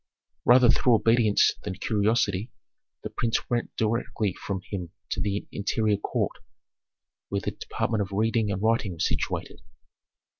Rather through obedience than curiosity, the prince went directly from him to the interior court, where the department of reading and writing was situated.